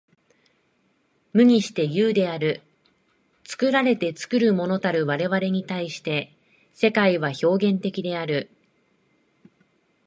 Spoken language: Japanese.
無にして有である。作られて作るものたる我々に対して、世界は表現的である。